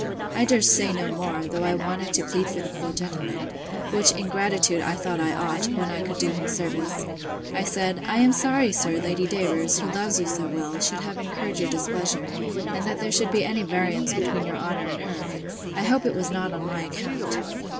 I durst say no more, though I wanted to plead for the poor gentleman; which, in gratitude, I thought I ought, when I could do him service. I said, I am sorry, sir, Lady Davers, who loves you so well, should have incurred your displeasure, and that there should be any variance between your honour and her; I hope it was not on my account.